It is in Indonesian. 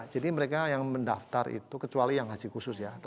jadi mereka yang mendaftar itu kecuali yang haji khusus ya